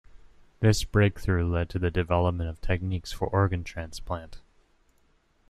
This breakthrough led to the development of techniques for organ transplant.